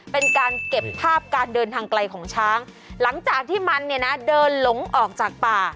เป็นการเก็บภาพการเดินทางไกลของช้างหลังจากที่มันเนี่ยนะเดินหลงออกจากป่า